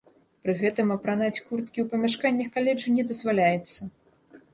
Пры гэтым апранаць курткі ў памяшканнях каледжу не дазваляецца.